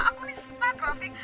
aku nih seneng rafik